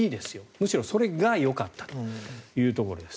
むしろそれがよかったというところです。